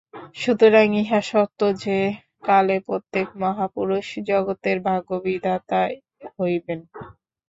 সুতরাং ইহা সত্য যে, কালে প্রত্যেক মহাপুরুষ জগতের ভাগ্যবিধাতা হইবেন।